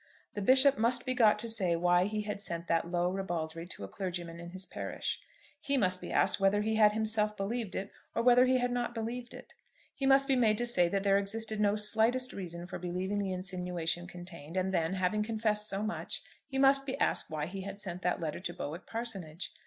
The Bishop must be got to say why he had sent that low ribaldry to a clergyman in his parish. He must be asked whether he had himself believed it, or whether he had not believed it. He must be made to say that there existed no slightest reason for believing the insinuation contained; and then, having confessed so much, he must be asked why he had sent that letter to Bowick parsonage.